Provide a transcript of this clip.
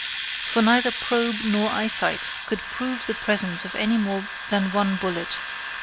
for neither probe nor eyesight could prove the presence of any more than one bullet.